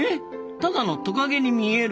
ただのトカゲに見える？